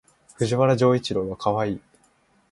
藤原丈一郎はかわいい